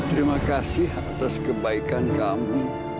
terima kasih atas kebaikan kami